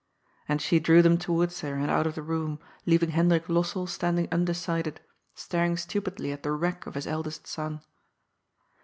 And she drew them towards her and out of the room, leav ing Hendrik Lossell standing undecided, staring stupidly at the wreck of his eldest son.